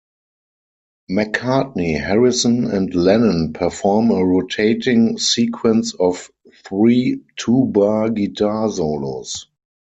McCartney, Harrison, and Lennon perform a rotating sequence of three, two-bar guitar solos.